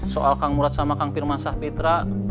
soal kang murad sama kang pir man sah pitra